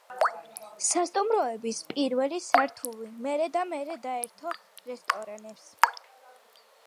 სასტუმროების პირველი სართული მერე და მერე დაეთმო რესტორნებს.